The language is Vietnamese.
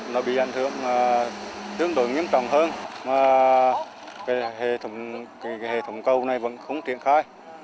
nó bị ảnh hưởng tương đối nghiêm trọng hơn mà hệ thống cầu này vẫn không triển khai